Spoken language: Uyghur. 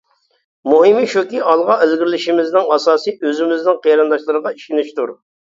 مۇھىمى شۇكى، ئالغا ئىلگىرىلىشىمىزنىڭ ئاساسى ئۆزىمىزنىڭ قېرىنداشلىرىغا ئىشىنىشتۇر.